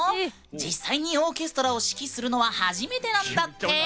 実際にオーケストラを指揮するのは初めてなんだって。